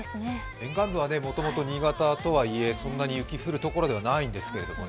沿岸分はもともと、新潟とはいえ、そんなに雪降るところじゃないんですけどね。